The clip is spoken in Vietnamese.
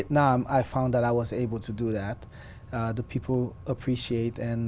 cảm ơn các bạn đã chia sẻ